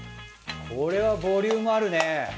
これはボリュームあるね。